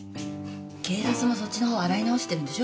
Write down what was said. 警察もそっちのほう洗い直してるんでしょ？